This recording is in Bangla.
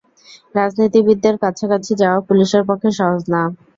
রাজনীতিবিদদের কাছাকাছি যাওয়া পুলিশের পক্ষে সহজ না।